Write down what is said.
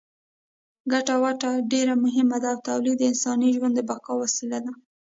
ګټه وټه ډېره مهمه ده او تولید د انساني ژوند د بقا وسیله ده.